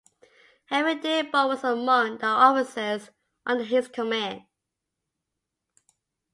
Henry Dearborn was among the officers under his command.